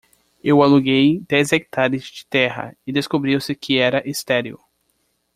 Eu aluguei dez hectares de terra e descobriu-se que era estéril.